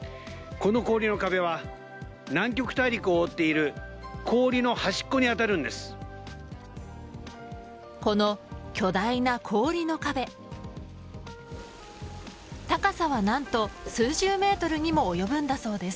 この氷の壁は南極大陸を覆っている氷の端っこに当たるんです。